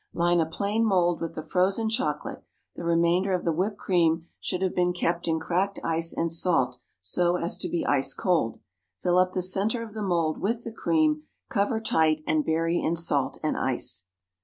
Line a plain mould with the frozen chocolate (the remainder of the whipped cream should have been kept in cracked ice and salt, so as to be ice cold); fill up the centre of the mould with the cream, cover tight, and bury in salt and ice.